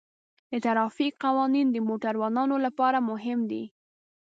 د ترافیک قوانین د موټروانو لپاره مهم دي.